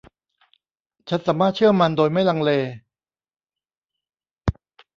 ฉันสามารถเชื่อมันโดยไม่ลังเล